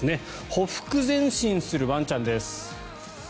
ほふく前進するワンちゃんです。